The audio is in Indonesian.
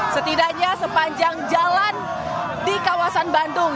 setidaknya sepanjang jalan di kawasan bandung